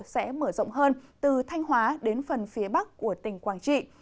sẽ mở rộng hơn từ thanh hóa đến phần phía bắc của tỉnh quảng trị